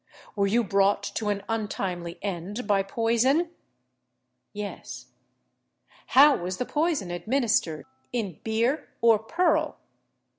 "Were you brought to an untimely end by poison?" "Yes." "How was the poison administered, in beer or purl?"